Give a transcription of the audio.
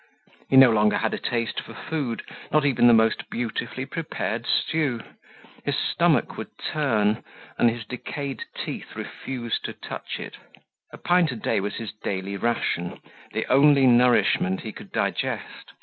He no longer had a taste for food, not even the most beautifully prepared stew. His stomach would turn and his decayed teeth refuse to touch it. A pint a day was his daily ration, the only nourishment he could digest.